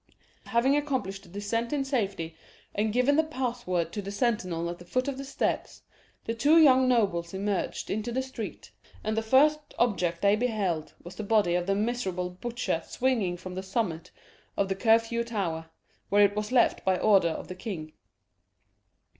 Having accomplished the descent in safety, and given the password to the sentinel at the foot of the steps, the two young nobles emerged into the street, and the first object they beheld was the body of the miserable butcher swinging from the summit of the Curfew Tower, where it was left by order of the king.